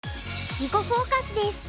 「囲碁フォーカス」です。